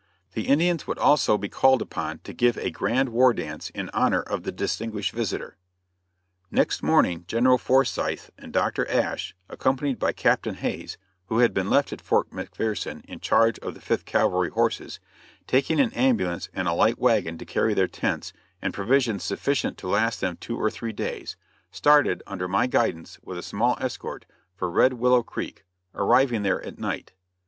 The Indians would also be called upon to give a grand war dance in honor of the distinguished visitor. Next morning General Forsyth and Dr. Asch, accompanied by Captain Hays, who had been left at Fort McPherson in charge of the Fifth Cavalry horses, taking an ambulance and a light wagon, to carry their tents, and provisions sufficient to last them two or three days; started, under my guidance, with a small escort, for Red Willow Creek, arriving there at night.